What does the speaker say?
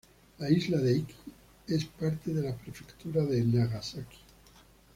La isla de Iki es parte de la prefectura de Nagasaki.